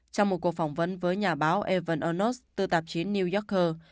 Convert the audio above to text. trong một cuộc phỏng vấn với nhà báo evan arnold từ tạp chí new yorker